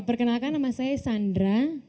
perkenalkan nama saya sandra